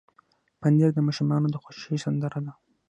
پنېر د ماشومانو د خوښې سندره ده.